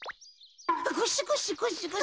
ゴシゴシゴシゴシ。